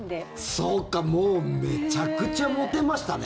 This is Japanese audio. そうか、もうめちゃくちゃモテましたね。